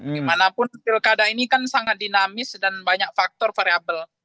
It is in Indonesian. dimanapun pilkada ini kan sangat dinamis dan banyak faktor variable